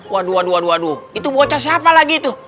waduh waduh waduh itu bocah siapa lagi tuh